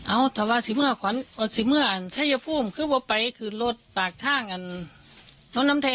แล้วก็บอกว่าสิเมื่อชายภูมิขึ้นไปคือรถปากชื่นทรมานอำนาจเจริญโดยน้ำแทรง